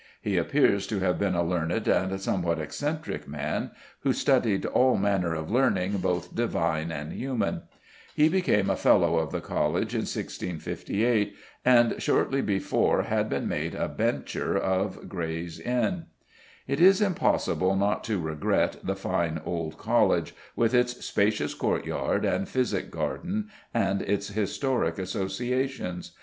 He appears to have been a learned and somewhat eccentric man, who studied "all manner of learning, both divine and human." He became a Fellow of the College in 1658, and shortly before had been made a Bencher of Gray's Inn. It is impossible not to regret the fine old College, with its spacious courtyard and physic garden and its historic associations.